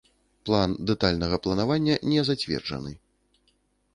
План дэтальнага планавання не зацверджаны.